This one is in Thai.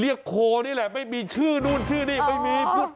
เรียกโคลนี่แหละไม่มีชื่อนู่นชื่อนี่ไม่มี